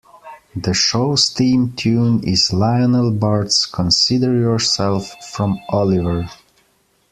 The show's theme tune is Lionel Bart's "Consider Yourself" from "Oliver!